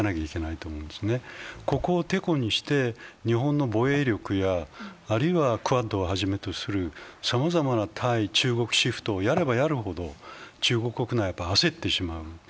ここをてこにして日本の防衛力やあるいはクアッドをはじめとするさまざまな対中国シフトをやればやるほど中国国内は焦ってしまう。